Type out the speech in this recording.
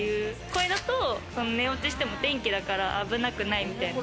これだと寝落ちしても電気だから危なくないみたいな。